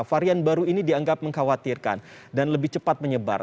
varian baru ini dianggap mengkhawatirkan dan lebih cepat menyebar